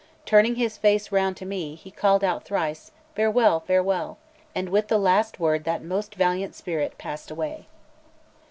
Turning his face round to me, he called out thrice "Farewell, farewell!" and with the last word that most valiant spirit passed away.